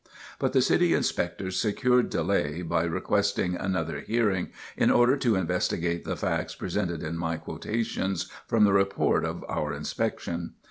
But the City Inspector secured delay by requesting another hearing, in order to investigate the facts presented in my quotations from the report of our inspection.